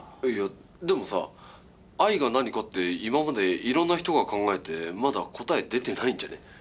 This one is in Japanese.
いやでもさ「愛」が何かって今までいろんな人が考えてまだ答え出てないんじゃね？